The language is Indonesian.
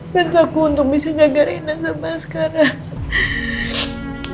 bantu aku untuk bisa jaga rina sama sekarang